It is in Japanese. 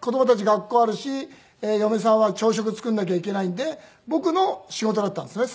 子供たち学校あるし嫁さんは朝食作らなきゃいけないんで僕の仕事だったんですね